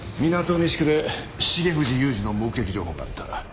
西区で重藤雄二の目撃情報があった。